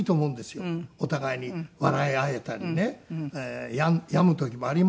お互いに笑い合えたりね病む時もあります。